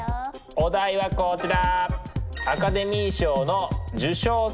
お題はこちら！